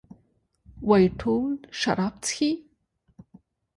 وايي ټول شراب چښي؟